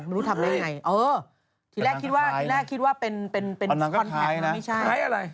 ไม่รู้ทำได้อย่างไรทีแรกคิดว่าเป็นคอนแทตน์ต้องไม่ใช่นะตอนนั้นก็คล้ายคล้ายอะไร